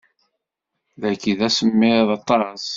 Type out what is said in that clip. Dagi d asemmiḍ aṭas.